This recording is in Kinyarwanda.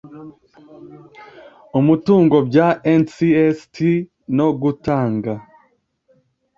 umutungo bya ncst no gutanga